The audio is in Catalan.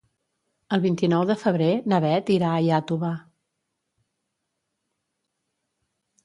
El vint-i-nou de febrer na Beth irà a Iàtova.